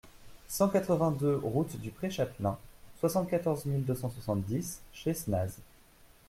cent quatre-vingt-deux route du Pré Chatelain, soixante-quatorze mille deux cent soixante-dix Chessenaz